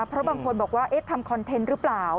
เพราะบางคนบอกว่าทำคอนเทนต์หรือเปล่า